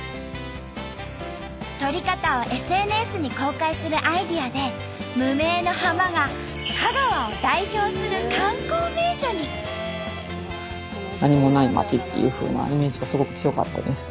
撮り方をＳＮＳに公開するアイデアで無名の浜が何もない町っていうふうなイメージがすごく強かったです。